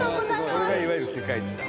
これがいわゆる世界一だ。